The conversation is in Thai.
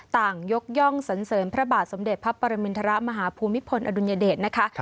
ยกย่องสันเสริมพระบาทสมเด็จพระปรมินทรมาฮภูมิพลอดุลยเดชนะคะ